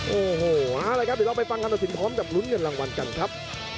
โอ้โหเอาละครับเดี๋ยวเราไปฟังคำตัดสินพร้อมกับลุ้นเงินรางวัลกันครับ